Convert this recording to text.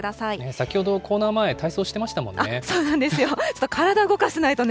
先ほど、コーナー前、体操してましたもんね。